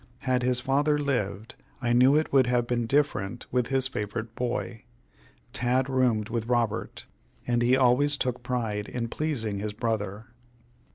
Had his father lived, I knew it would have been different with his favorite boy. Tad roomed with Robert, and he always took pride in pleasing his brother.